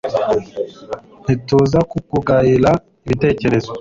ntituza kutugayira ibitekerezo